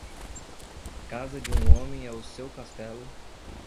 Casa de um homem é o seu castelo